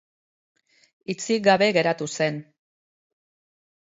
Hitzik gabe geratu zen.